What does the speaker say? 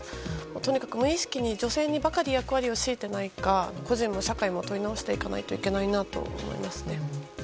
とにかく無意識に女性ばかりに役割を強いていないか個人も社会も問い直していかないといけないと思います。